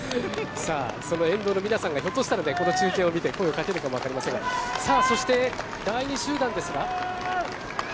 その沿道の皆さんがひょっとしたらこの中継を見て声をかけるかもわかりませんがそして第２集団ですが。